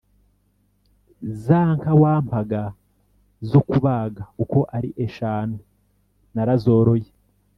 za nka wampaga zo kubaga uko ari eshanu narazoroye,